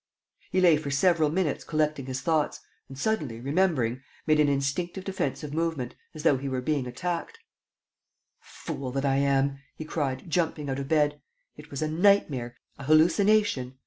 He lay for several minutes collecting his thoughts and, suddenly, remembering, made an instinctive defensive movement, as though he were being attacked: "Fool that I am!" he cried, jumping out of bed. "It was a nightmare, an hallucination.